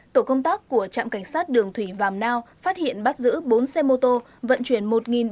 tổ công tác của trạm cảnh sát đường thủy vàm nao phát hiện bắt giữ bốn xe mô tô vận chuyển